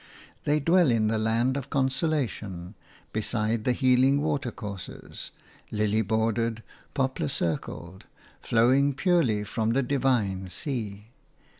They dwell in the land of consolation, beside the healing watercourses – lily bordered, poplar circled, flowing purely from the divine sea.